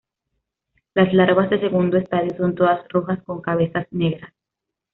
Las larvas de segundo estadio son todas rojas con cabezas negras.